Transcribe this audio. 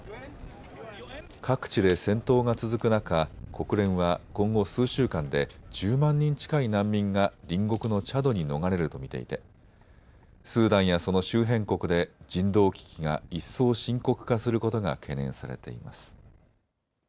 各地で戦闘が続く中、国連は今後数週間で１０万人近い難民が隣国のチャドに逃れると見ていてスーダンやその周辺国で人道危機が一層深刻化することが懸念されています。